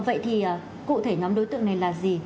vậy thì cụ thể nhóm đối tượng này là gì